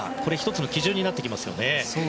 １つの基準になってきますよね。